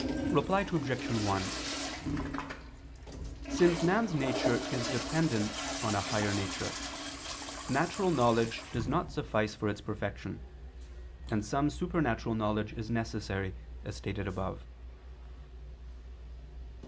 Reply Obj. 1: Since man's nature is dependent on a higher nature, natural knowledge does not suffice for its perfection, and some supernatural knowledge is necessary, as stated above.